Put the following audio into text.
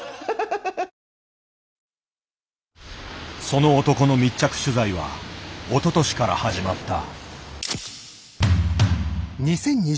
その男の密着取材はおととしから始まった。